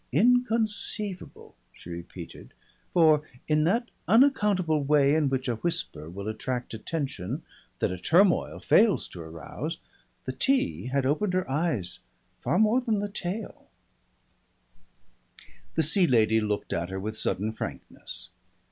"Inconceivable," she repeated, for, in that unaccountable way in which a whisper will attract attention that a turmoil fails to arouse, the tea had opened her eyes far more than the tail. The Sea Lady looked at her with sudden frankness.